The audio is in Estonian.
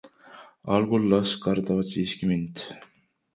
Algul las kardavad siiski mind.